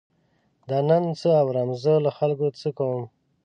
دا نن څه اورم، زه له خلکو څه کوم.